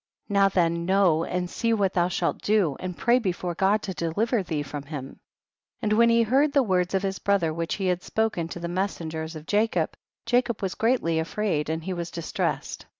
14. Now then know and see what thou slialt do, and pray before God to deliver thee from him. 15. And when he heard the words of his brother which he had spoken to the messengers of Jacob, Jacob was greatly afraid and he was dis tressed.